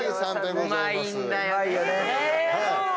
うまいんだよね。